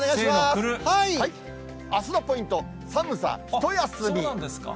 あすのポイント、寒さひと休み。